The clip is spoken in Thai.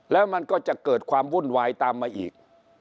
แล้วมันก็จะเกิดความวุ่นวายตามมาอีก